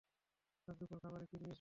আজ দুপুরের খাবারে কী নিয়ে এসেছিস?